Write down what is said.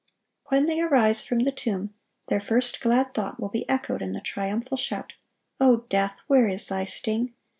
When they arise from the tomb, their first glad thought will be echoed in the triumphal shout, "O death, where is thy sting?